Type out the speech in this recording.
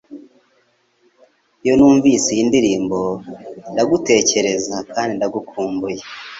Iyo numvise iyi ndirimbo, ndagutekereza, kandi ndagukumbuye